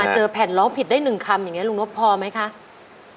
ใช้นะครับ